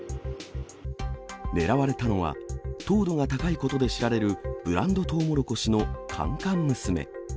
狙われたのは、糖度が高いことで知られるブランドトウモロコシの甘々娘。